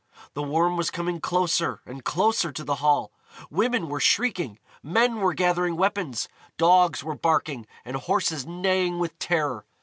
The Worm was coming closer and closer to the Hall; women were shrieking, men were gathering weapons, dogs were barking and horses neighing with terror.